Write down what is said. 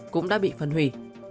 cũng đã bị phân hủy